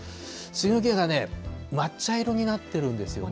スギの木がね、真っ茶色になってるんですよね。